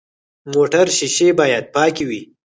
موټر شیشې باید پاکې وي.